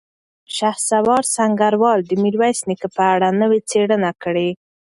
شهسوار سنګروال د میرویس نیکه په اړه نوې څېړنه کړې.